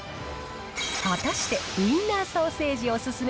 果たして、ウインナーソーセージおすすめ